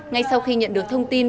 ngay sau khi nhận được thông tin